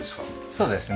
そうですね。